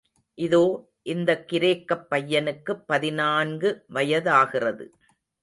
இதோ இந்தக் கிரேக்கப் பையனுக்குப் பதினான்கு வயாதாகிறது.